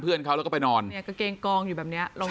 เอาฟังเสียงเขาหน่อยครับ